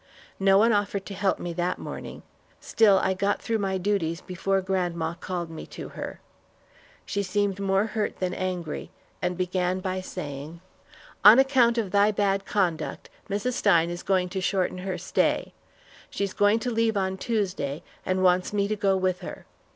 No one offered to help me that morning, still I got through my duties before grandma called me to her. She seemed more hurt than angry, and began by saying: "On account of thy bad conduct, Mrs. Stein is going to shorten her stay. She is going to leave on Tuesday, and wants me to go with her.